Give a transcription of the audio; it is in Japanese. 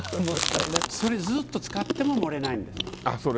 それ、ずっと使っても漏れないんです。